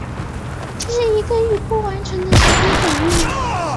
这是一个一步完成的协同反应。